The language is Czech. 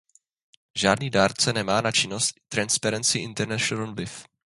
Žádný dárce nemá na činnost Transparency International vliv.